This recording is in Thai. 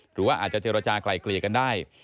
หรือว่าอาจจะเจรจากลายเกลี่ยกันได้